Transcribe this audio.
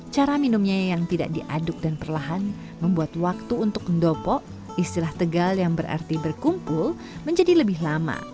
cara minumnya yang tidak diaduk dan perlahan membuat waktu untuk mendopo istilah tegal yang berarti berkumpul menjadi lebih lama